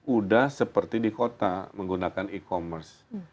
udah seperti di kota menggunakan e commerce